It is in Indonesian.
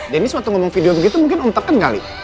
deniz waktu ngomong video begitu mungkin om tekan kali